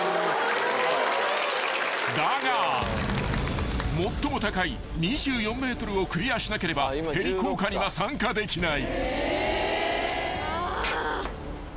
［だが最も高い２４ｍをクリアしなければヘリ降下には参加できない］